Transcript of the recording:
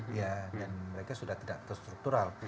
dan mereka sudah tidak terstruktural